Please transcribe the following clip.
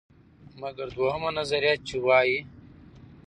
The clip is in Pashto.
مګر دویمه نظریه، چې وایي: